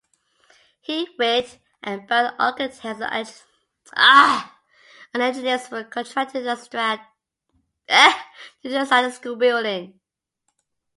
Hewitt and Brown Architects and Engineers were contracted to design a school building.